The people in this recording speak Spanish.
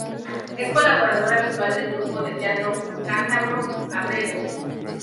Es colaborador habitual del grupo de teatro cántabro Ábrego.